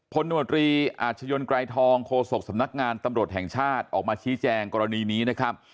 นวตรีอาชญนไกรทองโฆษกสำนักงานตำรวจแห่งชาติออกมาชี้แจงกรณีนี้นะครับ